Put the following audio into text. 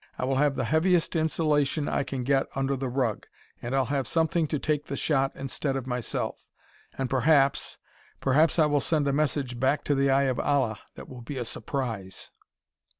I will have the heaviest insulation I can get under the rug, and I'll have something to take the shot instead of myself. And perhaps, perhaps I will send a message back to the Eye of Allah that will be a surprise.